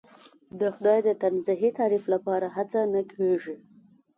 د خدای د تنزیهی تعریف لپاره هڅه نه کېږي.